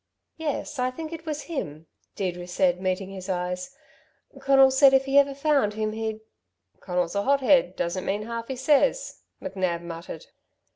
"Yes, I think it was him," Deirdre said, meeting his eyes. "Conal said if ever he found him, he'd " "Conal's a hot head doesn't mean half he says," McNab muttered.